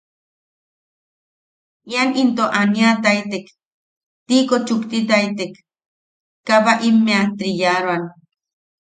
Ian ito aniataitek, tiiko chuktitaitek, kabaʼimmea tritriyaroan.